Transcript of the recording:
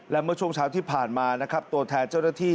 และเมื่อช่วงเช้าที่ผ่านมานะครับตัวแทนเจ้าหน้าที่